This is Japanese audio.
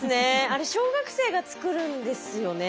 あれ小学生が作るんですよね。